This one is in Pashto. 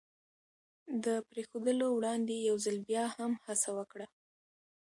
د پرېښودلو وړاندې یو ځل بیا هم هڅه وکړه.